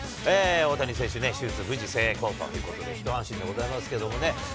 大谷選手ね、無事手術成功ということで、一安心でございますけどもね。